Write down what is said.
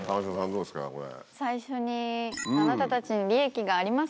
最初に、あなたたちに利益があります